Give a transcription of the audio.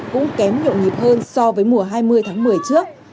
cũng kém nhộn nhịp hơn so với mùa hai mươi tháng một mươi trước